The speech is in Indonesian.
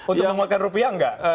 untuk memakan rupiah nggak